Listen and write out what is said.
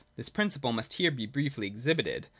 (This principle must here be briefly exhibited.)